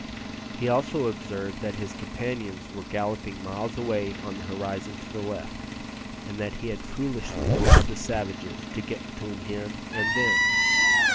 He also observed that his companions were galloping miles away on the horizon to the left, and that he had foolishly allowed the savages to get between him and them.